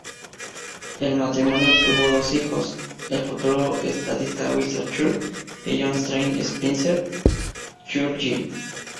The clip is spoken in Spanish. El matrimonio tuvo dos hijos, el futuro estadista Winston Churchill y John Strange Spencer-Churchill.